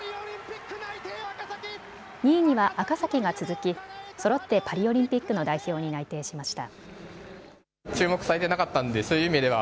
２位には赤崎が続きそろってパリオリンピックの代表に内定しました。